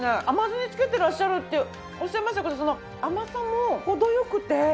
甘酢に漬けてらっしゃるっておっしゃいましたけどその甘さも程良くて。